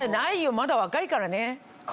まだ若いからね。